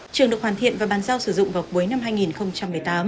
trường được hoàn thiện và bàn giao sử dụng vào cuối năm hai nghìn một mươi tám